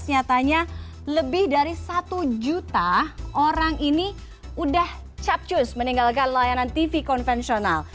dua ribu delapan belas nyatanya lebih dari satu juta orang ini udah capcus meninggalkan layanan tv konvensional